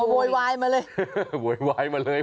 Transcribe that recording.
โวยวายมาเลย